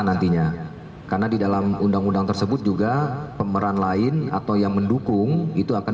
nantinya karena di dalam undang undang tersebut juga pemeran lain atau yang mendukung itu akan